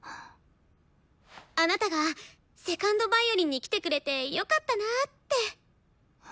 あなたが２ｎｄヴァイオリンに来てくれてよかったなって。